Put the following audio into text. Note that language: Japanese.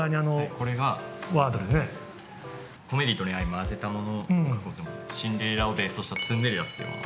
これがコメディーと恋愛を混ぜたものを書こうと思って、シンデレラをベースとした、ツンデレラっていうものを。